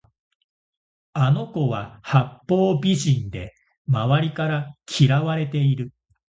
あの子は八方美人で周りから嫌われている